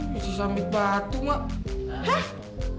bisa sambit batu mak